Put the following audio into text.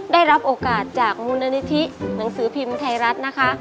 ได้รับโอกาสจากมูลนิธิหนังสือพิมพ์ไทยรัฐนะคะ